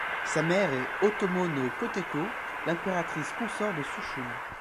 Sa mère est Ōtomo no Koteko, l'impératrice consort de Sushun.